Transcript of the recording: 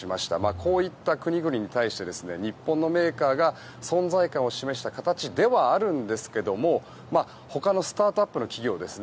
こういった国々に対して日本のメーカーが存在感を示した形ではあるんですが他のスタートアップの企業ですね。